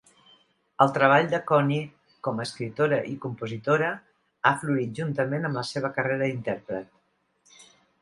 El treball de Connie com a escriptora i compositora ha florit juntament amb la seva carrera d'intèrpret.